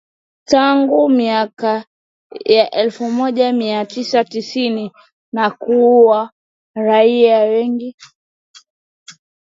tangu miaka ya elfu moja mia tisa tisini na kuua raia wengi